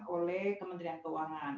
oleh kementerian keuangan